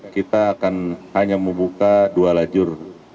kita akan hanya membuka dua lajur